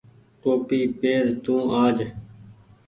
ٽوپي پير تو آج۔